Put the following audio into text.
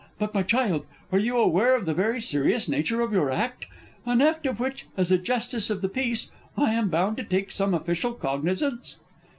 But, my child, are you aware of the very serious nature of your act? An act of which, as a Justice of the Peace, I am bound to take some official cognizance!